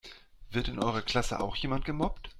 Wird in eurer Klasse auch jemand gemobbt?